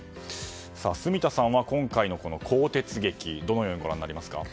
住田さんは今回の更迭劇どのようにご覧になりますか。